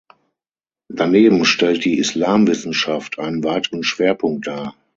Daneben stellt die Islamwissenschaft einen weiteren Schwerpunkt dar.